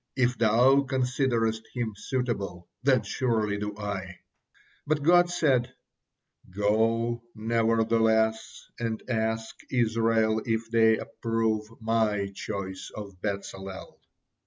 If Thou considerest him suitable, then surely do I!" But God said: "Go, nevertheless, and ask Israel if they approve My choice of Bezalel."